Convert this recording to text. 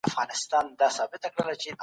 د دود او رواج زور هم اغېز لري.